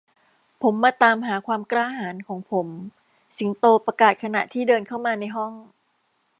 ผมมาตามหาความกล้าหาญของผม สิงโตประกาศขณะที่เดินเข้ามาในห้อง